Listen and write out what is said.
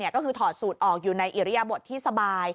ก็คือถอดสูตรออกอยู่ในอิริยบทที่สบาย